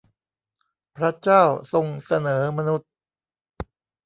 พระเจ้าทรงเสนอมนุษย์